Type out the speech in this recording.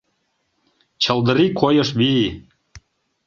чылдырий койыш вий.